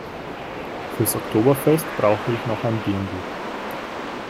Fürs Oktoberfest brauche ich noch ein Dirndl.